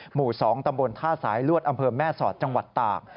หมู่๒ตำบลท่าสายลวดอำเภอแม่สอดจังหวัดตาก